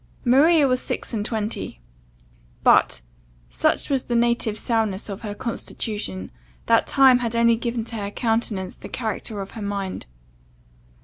Maria was six and twenty. But, such was the native soundness of her constitution, that time had only given to her countenance the character of her mind.